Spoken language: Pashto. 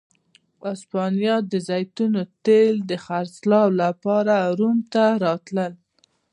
هسپانیا د زیتونو تېل د خرڅلاو لپاره روم ته راتلل.